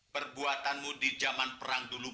perbuatanmu di zaman perang dulu